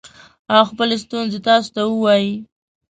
او خپلې ستونزې تاسو ته ووايي